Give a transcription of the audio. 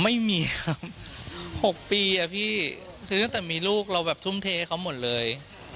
ไม่มีครับ๖ปีเพราะถ้าตั้งมีลูกเราทำทุ่มเทให้เขาหมดเลย